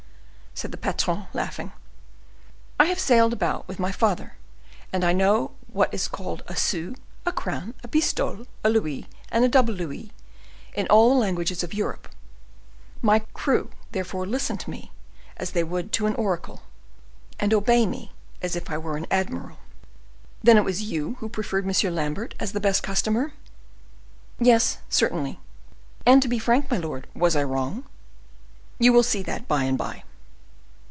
said the patron, laughing; "I have sailed about with my father; and I know what is called a sou, a crown, a pistole, a louis, and a double louis, in all the languages of Europe; my crew, therefore, listen to me as they would to an oracle, and obey me as if I were an admiral." "Then it was you who preferred M. Lambert as the best customer?" "Yes, certainly. And, to be frank, my lord, was I wrong?" "You will see that by and by."